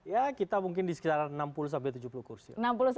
ya kita mungkin di sekitar enam puluh sampai tujuh puluh kursi